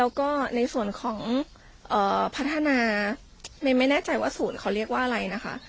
แล้วก็ในส่วนของพัฒนาเมย์ไม่แน่ใจว่าศูนย์เขาเรียกว่าอะไรนะคะ